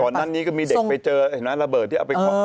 นั้นนี้ก็มีเด็กไปเจอเห็นไหมระเบิดที่เอาไปเคาะ